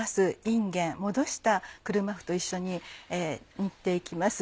いんげんもどした車麩と一緒に煮て行きます。